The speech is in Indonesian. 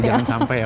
jangan sampai ya